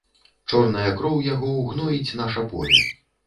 Чорная кроў яго ўгноіць наша поле.